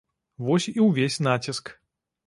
Вось і ўвесь націск.